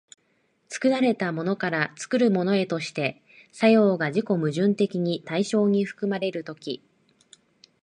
作られたものから作るものへとして作用が自己矛盾的に対象に含まれる時、